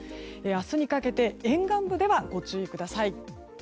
明日にかけて沿岸部ではご注意ください。